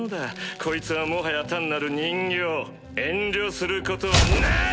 こいつはもはや単なる人形遠慮することはない！